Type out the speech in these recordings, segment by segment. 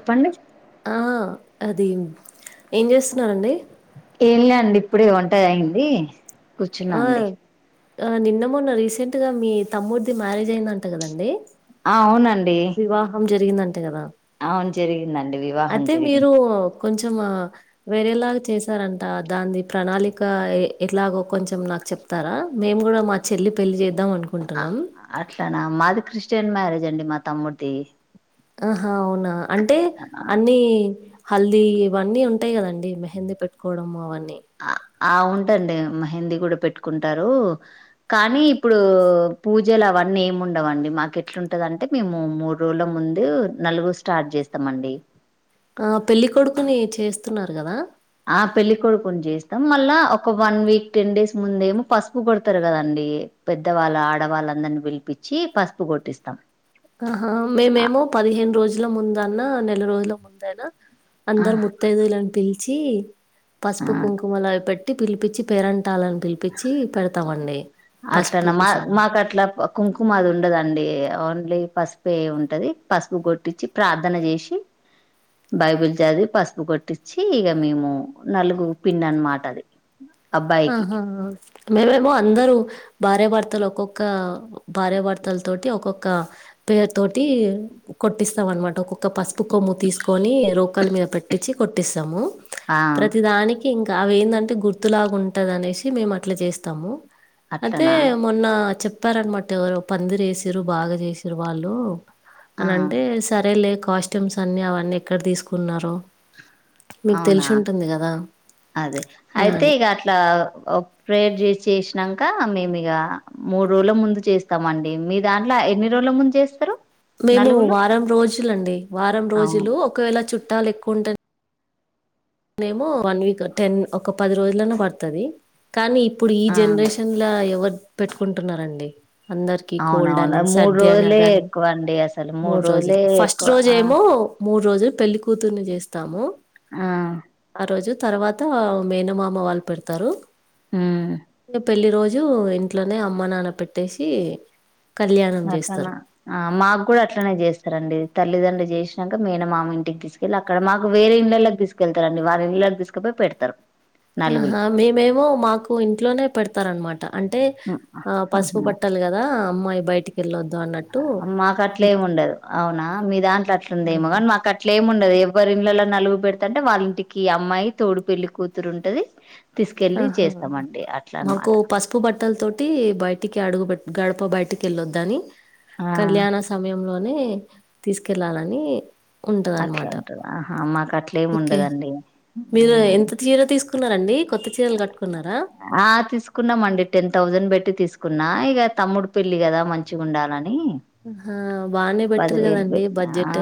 చెప్పండి ఆ అది ఏం చేస్తున్నారండి ఏంలే అండి ఇప్పుడే వంటా అయ్యింది కూర్చున్నా ఆ! అండి ఆ నిన్న మొన్న రీసెంట్ గా మీ తమ్ముడ్ ది మ్యారేజ్ అయిందంట కదండి ఆ అవునండి కదా అవును జరిగిందండి వివాహం అయితే మీరు జరిగింది కొంచం వేరేలాగా చేసారంట దంది ప్రణాళిక ఎట్లాగ కొంచెం నాకు చెప్తారా మేము కూడా మా చెల్లి పెళ్లి చే అట్లానా మాది క్రిస్టియన్ మ్యారేజ్ అండి మా తమ్ముడిది ఆహా అవునా అంటే ఆ అన్ని హల్దీ ఇవన్నీ ఉంటాయి కదండి మెహందీ పెట్టుకోవడము అవన్నీ ఆ ఆ ఉంటండి మహందీ కూడా పెట్టుకుంటారు కానీ ఇప్పుడు పూజలు అవన్నీ ఏమి ఉండవండి మాకు ఎట్లుంటదంటే మేము మూడు రోజుల ముందు నలుగు స్టార్ట్ చేస్తామండి ఆ పెళ్ళికొడుకుని చేస్తున్నారు కదా ఆ పెళ్ళికొడుకుని చేస్తాం మళ్ళా ఒక వన్ వీక్ టెన్ డేస్ ముందేమో పసుపు కొడతారు కదండి పెద్దవాళ్ళు ఆడవాళ్ళందరిని పిలిపించి పసుపు కొట్టిస్తాం ఆహా ఆ మేమేమో పదిహేను రోజుల ముందన్న నెల రోజుల ముందన ఆ అందరు ముత్తదులను పిలిచి ఆ, పసుపు కుంకుమలు అవి పె టి పిలిపించి పేరంటాలని పిలిపించి పెడతామండి అట్లన పసుపు మా కుంచము. మాకు అట్ల కుంకుమ అది ఉండదండి ఓన్ లో పసుపే ఉంటది పసుపు కొట్టించి ప్రార్థన చేసి బైబిల్ చదివి పసుపు కొట్టిచ్చి ఇగ మేము నలుగు పిండి అన్నమాట అది అబ్బాయికి ఆహా మేమేమో అందరు భార్యభర్తలు ఒక్కొక్క భార్యభర్తల తోటి ఒక్కొక్క పేరు తోటి కొట్టిస్తాం అనమాట ఒక్కొక్క పసుపు కొమ్ము తీసుకు కొని రోకల మీద పెట్టిచ్చి కొట్టిస్తాము ఆ ప్రతి దానికి ఇంకా అవి ఏందంటే గుర్తులాగా ఉంటది అనేసి మేము అట్లా చేస్తాము అదే అట్లనా మొన్న చెప్ ప్పారనమాట ఎవరు పందిరేసిరు బాగా చేసిరు వాళ్ళు ఆ అనింటే సరేలే కాస్ట్యూమ్స్ అన్ని అవన్నీ ఎక్కడ తీసుకున్నారు అవునా అదే అలా అయితే అని. ఇగ అట్లా ఆ ప్రేయర్ చేసేసినాంక మేము ఇగ మూడు రోజుల ముందు చేస్తామండి మీ దాంట్లో ఎన్ని రోజుల ముందు చేస్తరు మేము వారం రోజులండి వారం అవును రోజులు ఒకవేళ చుట్టాలు ఎక్కువ ఉంటే నేమో వన్ వీక్ టెన్ ఒక పది రోజులన్న పడుతది కానీ ఇప్పుడు ఈ ఆ జనరేషన్ లో ఎవరు పెట్టుకుంటున్నారండి అందరికి గోల్డ్ అవునవును అని మూడు సర్ది అని రోజులే అదని ఎక్కువ అండి అసలు మూడు రోజులే రోజులు ఫస్ట్ ఎక్కువ రోజు ఆ ఏమో మూడు రోజులు పెళ్ళికూతుర్ని చేస్తాము ఆ ఆ రోజు తర్వాత మేనమామ వాళ్ళు పెడతారు ఉమ్ ఇంగ పెళ్లి రోజు రోజు ఇంట్లోనే అమ్మ నాన్న పెట్టేసి కళ్యాణం అట్లనా చేస్తారు. ఆ మాకు కూడా అట్లనే చేస్తారండి తల్లిదండ్రు చేసినాక మేనమామ ఇంటికి తీసుకెళ్లి అక్కడ మాకు వేరే ఇళ్ళలోకి తీసుకెళ్తారండి వారి ఇళ్ళలోకి తీసుకపోయి పెడతారు నలుగులు ఆహా మేమేమో మాకు ఇంట్లోనే పెడతారనమాట అంటే ఉమ్, ఆ పసుపు ఆహా బట్టలు కదా అమ్మాయి బయటికెళ్ళొద్ ఆ మాకు అట్లేముండదు అవునా మీ దాంట్లో అట్లుందేమో కాని మాకు అట్లేముం డదు ఎవరి ఇళ్లలా నలుగు పెడతంటే వాళ్ళ ఇంటికి అమ్మాయి తోడు పెళ్లి కూతురు ఉంటది తీసుకెళ్ళి ఆహా చేస్తామండి అట్లా మాకు అనమాట పసుపు బట్టల తోటి బయటికి అడుగు పె గడప ప బయటికి వెళ్ళొద్దని ఆ కళ్యాణ సమయంలోనే తీసుకెళ్ళాలని అట్లా ఉంటదనమాట. ఉంటది ఆహా మాకు అట్లేమి ఓకే. ఉండదండి మీరు ఎంత చీర తీసుకున్నారండి కొత్త చీరలు కట్టుకున్నారా? ఆ తీసుకున్నాంమండి టెన్ థౌజండ్ పెట్టి తీసుకు కున్నా ఇగ తమ్ముడు పెళ్లి కదా మంచిగా ఉండాలని ఆ బానే పెట్టారు పదివేలు కదండి పెట్టిన ఆ బడ్జెట్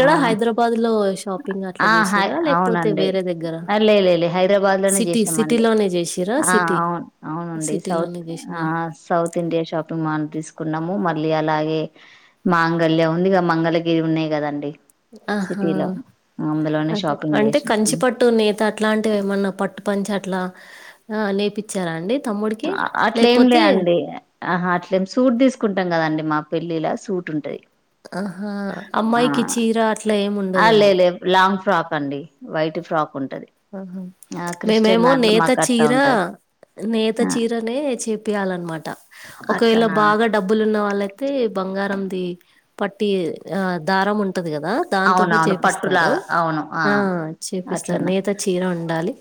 ఆ హైదరాబాద్ లో వైష్ షాపింగ్ అట్లా ఆ హై చేసిరా లేకపోతే అవునండి వేరే దగ్గర ఆ, లే లే లే హైదరాబాద్ లోనే సిటీ సిటీ చేసామండి లోనే చేసిరా ఆ సిటీ అవును అవునండి సౌత్ సిటీలోనే చేసినా ఆ సౌత్ ఇండియా షాపింగ్ మాల్ తీసుకున్నాం మళ్ళీ అలాగే మాంగళ్యా ఉంది ఇక మంగళగిరి ఉన్నాయి కదండి ఆహా సిటీలో అందులోనే అదే షాపింగ్ అంటే చేసినాం కంచి ఉమ్. పట్టు నేత అట్లాంటివి ఏమన్నా పట్టు పంచి అట్లా ఆ నేపిచ్చారా అండి తమ్ముడికి అట్లేం లే లేకపోతే అండి ఆహా అట్లేం సూట్ తీసుకుంటాం కదండి మా పెళ్లిలా సూట్ ఉంటది ఆహా ఆ అమ్మాయికి చీర అట్లా ఏమి ఆ, లే ఉండదేమో లే లాంగ్ ఫ్రాక్ అండి వైట్ ఫ్రాక్ ఉంట ఆహా మేమేమో నేత మాకు అట్లా చీరా ఉంటది నేత ఆ చీరనే చెపియాలన్నమాట ఒకవేళ అట్లనా బాగా డబ్బులు ఉన్న వాళ్ళయితే బంగారం ది పట్టి ఆ దారం ఉంట ఉంటది కదా దాంతో కూడా అవునవును చేపిస్తారు పట్టులాగా అవును ఆ చేపిస్తారు అట్లనా నేతా చీర ఉండాలి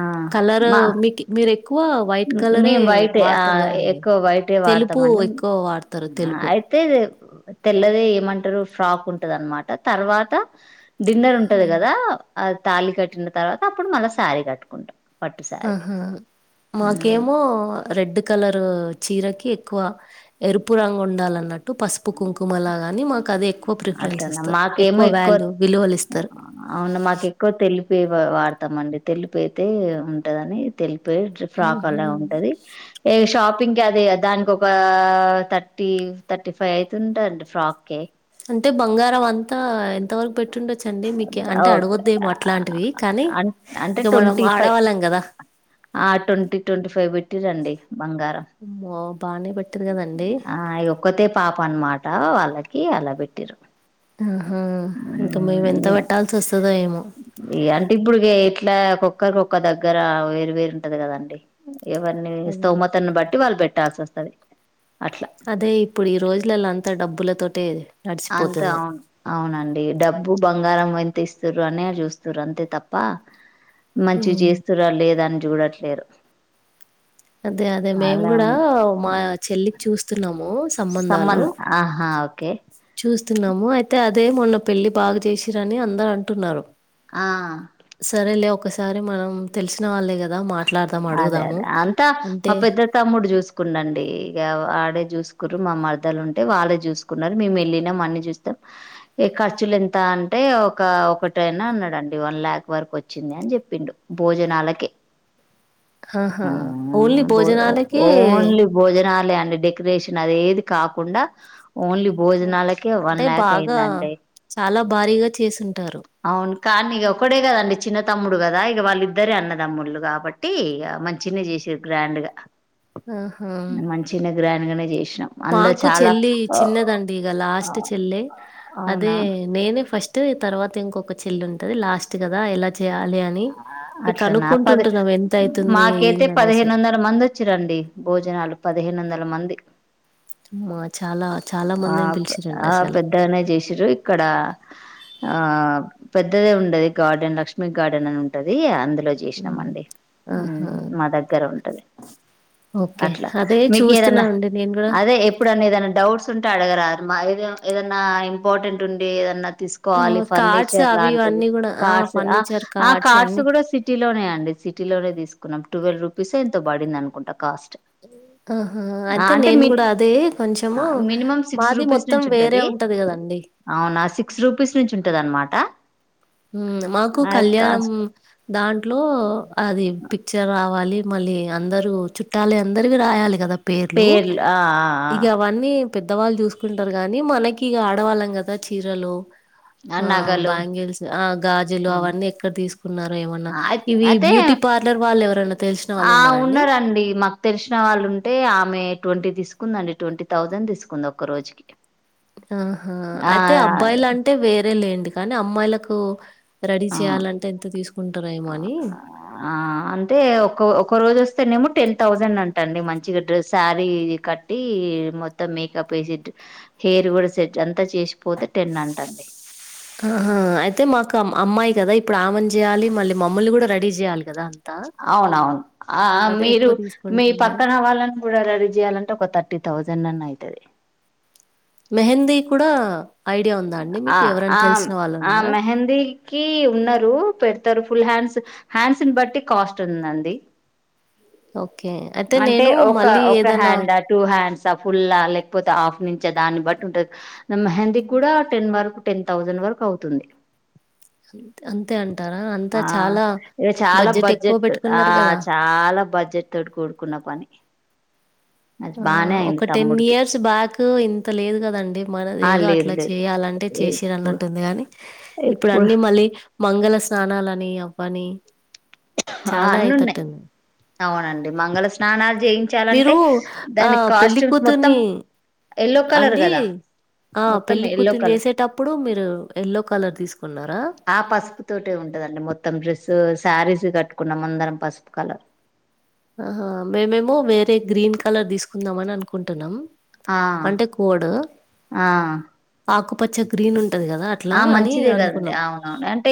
ఆ కలర్ మా మీకు మీరు ఎక్కువ వైట్ హ్మ్. కలరే మేము వైటే ఆ వాడతారు కదండి ఎక్కువ వైటే తెలుపు ఎక్కువ వాడతారు తెలుపు తెలుపు తెల్లదే ఏమంటారు ఫ్రాక్ ఉంటది అన్నమాట తర్వాత డిన్నర్ ఉంటది కదా ఆ తాళి కట్టిన తర్వాత అప్పుడు మళ్ళా శారీ కట్టుకుంటాం పట్టు శారీ ఆహా హ్మ్. మాకేమో రెడ్ కలర్ చీరకి ఎక్కువ ఎరుపు రంగు ఉండాలన్నట్టు పసుపు కుంకుమలా గాని మాకు అదే అట్లాన్న మాకేమో ఎక్కువ విలువలిస్తారు. అవునా మాకు ఎక్కువ తెలుపే వాడ తమండి తెలుపు అయితే ఉంటదని తె లుపే ఫ్రాక్ అలా ఉంటది ఇక షాపింగ్ అదే దానికి ఒక థర్టీ థర్టీ ఫైవ్ అయితు ఉంటందండి ఫ్రాక్ కే అంటే బంగారం అంతా ఎంత వరకు పెట్టుండొచ్చ సది మీకు అంటే ఓకే అడగోదేమో అట్లాంటివి కానీ అం అంటే ఇక మనం ట్వంటీ ఫైవ్ ఆడవాళ్ళం కదా ఆ ట్వంటీ ట్వంటీ ఫైవ్ పెట్టి రండి అమ్మె బానే పట్ ఆ ఒక్కతే పాప అన్నమాట వాళ్ళకి అలా పెట్టిరు ఆ ఇంకా మేము ఎంత ఉమ్, పెట్టాల్సి వస్తుందో ఏమో అంటే ఇప్పుడు ఇట్లా ఒక్కరికొక్క దగ్గర వేరు వేరు ఉంటది కదండి ఎవరిని అదే. స్థౌమతను బట్టి వాళ్ళు పెట్టాల్సి వస్తది అట్లా అదే ఇప్పుడు ఈ రోజులలో అంతా డబ్బుల తోటే అంత అవును అవునండి డబ్బు బంగారం కొన్ని తిస్తారు అని అ చూస్తారు అంతే తప్ప మంచి హ్మ్. చేస్తారా లేదని చూడట్లేరు అదే అదే మేము అలా కూడా మా చెల్లికి చూస్తున్నాము సంబధ సంబంధాలు ఆహా ఓకే చూస్తున్నాము అయితే అదే మొన్న పెళ్ళి బాగా చేసిరని అందరు అంటున్నారు ఆ సరేలే ఒకసారి మనం తెలిసిన వాళ్ళే కదా మాట్లాడదాం అదే అడుగుదాము అదే అంతా మా అంటే పెద్ద తమ్ముడు చూసుకుండండి ఇక వాడే చూసుకురు మా మర్దాలు ఉంటే వాళ్ళే చూసుకున్నారు మేము వెళ్ళిన అన్ని చూస్తాం ఖర్చులు ఎంత అంటే ఒక ఒకటైనా అన్నాడండి వన్ ల్యాక్ వరకు వచ్చింది అని చెప్పిండు భోజనాలకి ఆహా ఆ ఓన్లీ బో భోజనాలకి ఓన్లీ భోజనాలయన్ని డెకరేషన్ అదేది కాకుండా ఓన్లీ భోజనాలకే వన్ అంటే ల్యాక్ బాగా అయిందండి చాలా భారీగా చేసుంటారు అవును కానీ ఇక ఒకడే కదండి చిన్న తమ్ముడు కదా ఇక వాళ్ళ ఇద్దర అన్న తమ్ముళలుగా కాబట్టి మంచినే చేసారు గ్రాండ్ గా ఆహా మంచినే గ్రాండ్ గానే చేసి పాకు చెల్లి చిన్నదండి ఈగ ఆ, లాస్ట్ చెల్లె అదే అవునా నేనే ఫస్ట్ టు తర్వాత ఇంకొక చెల్లి ఉంటది లాస్ట్ కదా ఎలా చేయాలి అని ఇగ అట్ల నా పది కనుక్కుంటుంటున్నాం ఎంత అయితుంది మాకైతే ఏందనేసి పదిహేను వందల మంది వచ్చి రండి భోజనాలు పదిహేను వందలు మంది మా చాలా చాలా ఆ మందిని పిలిచిరండి ఆ అసలు పెద్దగానే చేసిర్రు ఇక్కడ ఆ పెద్దదే ఉండది గార్డెన్ లక్ష్మీ గార్డెన్ అని ఉంటది అంద లో చేసినాము ఉమ్. అండి ఉ ఆహా మా దగ్గర ఉంటది ఓకే అట్లా అదే మీకి ఏదన్నా చూస్తున్నానండి నేను కూడా అదే ఎప్పుడన్నా ఏదైనా డౌట్స్ ఉంటే అడగరా మై ఏరియా ఏద ఏదన్నా ఇంపార్టెంట్ ఉండి ఏదన్నా ఆ తీసుకోవాలి కార్డ్స్ ఫర్నిచర్ అవి లాంటివి ఇవన్నీ కూడా ఆ కార్స్ ఫర్నిచర్ ఆ ఆ కార్డ్స్ అన్ని కూడా సిటీ లోనే అండి సిటీలోనే తీసుకున్నాం ట్వెల్వ్ రుపీస్ ఓ ఎంతో పడింది అనుకుంటా కాస్ట్ ఆహా అయితే అంటే నేను మి కూడా అదే కొంచము మినిమం సిక్స్ మాది రూపీస్ మొత్తం నుంచి వేరే ఉంటది కదండి అవునా సిక్స్ రూపీస్ నుంచి ఉంటది అన్నమాట ఉ మాకు కళ్యాణం దాంట్లో అది పిక్చర్ రావాలి మళ్ళీ అందరుూ చుట్టాలి అందరివి రాయాలి కదా పేర్లు ఇగ అవన్నీ పెద్దవాళ్ళు చూసుకుంటారు గాని మనకి ఆడవాళ్ళం కదా చీరలు ఆ బ్యాంగిల్స్ ఆ గాజులు అవన్నీ ఎక్కడ తీసు కున్నారూ ఏమన్నా ఇవి అయితే బ్యూటీ పార్లర్ వాళ్ళు ఎవరన్నా తెలిసిన వాళ్ళు ఆ ఉన్నారంండి ఉన్నారండి మాకు తెలిసిన వాళ్ళు ఉంటే ఆమె ట్వంటీ తీసుకుందండి ట్వంటీ థౌజండ్ తీసుకుంది ఒక్క రోజుకి ఆహా ఆ అయితే అబ్బాయిలు అంటే వేరే లేండి కానీ అమ్మాయిలకు రెడీ ఆ చేయ్యాలంటే ఎంత తీసుకుంటారేమో అని ఆ అంటే ఒక ఒక రోజు వస్తేనేమో టెన్ థౌజండ్ అంటండి మంచిగా డ్రెస్ శారీ కట్టి టి మొత్తం మేకప్ డా వేసి హెయిర్ కూడా సెట్ అంతా చేసిపోతే టెన్ అంటండి ఆహా అయితే మాకు అమ్మాయి కదా ఇప్పుడు ఆమన్ చేయాలి మళ్ళీ మమ్మల్ని కూడా రెడీ చేయాలి అవునవును ఆ అదే మీరు ఎక్కువ మీ తీసుకుంటుందా? పక్కన వాళ్ళని కూడా రెడీ చేయాలంటే ఒక థర్టీ థౌసండ్ నన్ అయితది మెహందీ కూడా ఐడియా ఉందా అండి ఆ మీకు ఎవరైనా తెలిసిన వాళ్ళు ఉన్నారా కి ఉన్నారు పెడతారు ఫుల్ హ్యాండ్స్ హ్యాండ్స్ ని బట్టి కాస్ట్ ఉందిండి ఓకే. అయితే మంటే నేను ఒక మళ్ళీ ఒక ఏదైనా హ్యాండ్ టూ హ్యాండ్స్ స ఫుల్ లేకపోతే హఫ్ నుంచ దాన్ని బట్టి ఉంటంది మెహందీ కూడా టెన్ వరకు టెన్ తౌసండ్ వరకు అవుతుంది అంతే అంటారా అంతా ఆ చాలా ఇక చాలా బడ్జెట్ ఎక్కువ ఆ పెట్టుకున్నారు కదా చాలా బడ్జెట్ తోటి కూడుకున్న పని అది ఆ బానే అయింది ఒక టెన్ తమ్ముడికి ఇయర్స్ బ్యాక్ ఇంత లేదు కదండి మన ఆ ఏదో లేదు అట్లా లేదు చేయాలంటే చేసేది ఎప్పుడు అన్నట్టుంది గానీ ఇప్పుడు ఎప్పుడు అన్నీ మళ్ళీ మంగళ స్నానాలని అవ్వని ఆ! చాలా అన్నున్నాయి అయితట్టుంది అవునండి మంగళ స్నానాలు చేయించాలంటే మీరు ఆ దాని పెళ్లి కాస్ట్యూమ్స్ మొత్తం కూతుర్ని యల్లో కలర్ అండి కదా ఆ మొత్తం పెళ్లి ఎల్లో కూతుర్ని కలర్ చేసేటప్పుడు మీరు యెల్లో కలర్ తీసుకున్నారా? ఆ పసుపు తోటే ఉంటదండి మొత్తం డ్రెస్సు శారీస్ కట్టుకున్నాం అందరం పసుపు కలర్ ఆహా మేమేమో వేరే గ్రీన్ కలర్ తీసుకుందాంమని అనుకుంటున్నాం. ఆ అంటే కోడ్ ఆ ఆకుపచ్చ గ్రీన్ ఉంట ఆ మంచిదే కదండి అవునవును అంటే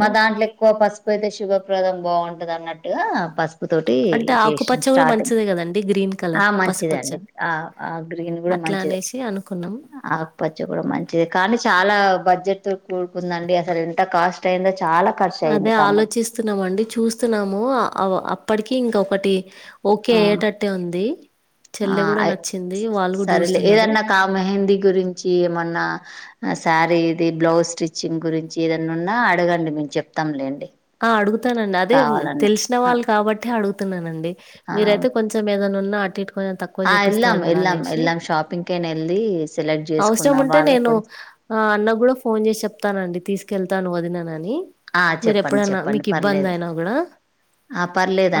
మా దాంట్లో ఎక్కువ పసుపోయితే శుభప్రదం బాగుంటది అన్నట్టు ట్టుగా పసుప్ పూ తోటి అంటే చేసినాం ఆకుపచ్చ కూడా స్టార్టింగ్ మంచిదే కదండి గ్రీన్ ఆ కలర్ మంచిది అండి ఆ ఆ గ్రీన్ కూడా ఇట్లా మంచిదే అనేసి అనుకున్నా ఆకుపచ్చ కూడా మంచిది కానీ చాలా బడ్జెట్ తో కూడుకుందండి అసలు ఎంత కాస్ట్ అయిందొ అదే ఆలోచిస్తున్నామ అండి చూస్తున్నాము అప్పటికి ఇంక ఒకటి ఓకే ఐయేటట్టే ఉంది ఆ చెల్లె కూడా నచ్చింది వాళ్ళు కూడా సరేలే చూస్తున్నారు ఏదన్నా కా మెహందీ గురించి ఏమన్నా శారీ ఇది బ్లౌజ్ స్టిచ్చింగ్ గురించి ఏదైన్నా ఉన్నా అడగండి మేము చెప్తాంలేండి ఆ అడుగుతానండి అదే కావాలన్నా తెలిసిన ఆ వాళ్ళు కాబట్టి అడుగుతున్నానండి ఆ మీరయితే కొంచెం ఏమనా ఉన్నా అటు ఇటు కొంచెం తక్కువ ఆ చేపిస్తారు ఎల్లాం కదా ఎల్లాం అనేసి ఎల్లాం షాపింగ్ కైనా వెళ్ళి సెలెక్ట్ అవసరం చేసుకుందాం ఉంటే వాళ్ళు నేను కొంచెం ఆ అన్న కూడా ఫోన్ చేసి చెప్తానండి తీసుకెళ్తాను వదిననని ఆ మీరు చెప్పండి ఎప్పుడన్నా చెప్పండి మీకు ఇబ్బంది పర్లేదు అయినా కూడా ఆ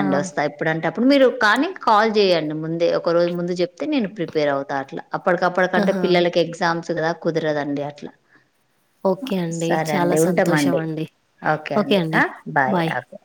ఆ ఒస్తా ఎప్పుడంటే అప్పుడు మీరు కానీ కాల్ చేయండి ముందే ఒకరోజు ముందు చెప్తే నేను ప్రిపేర్ అవుతా అట్లా అప్పటికప్పటికంటే ఆహా పిల్లలకి ఎగ్జామ్స్ కదా కుదరదండి అట్లా ఓకే అండి సరే చాలా అండి సంతోషం ఉంటామండి అండి ఓకే అండి బాయ్ ఓకే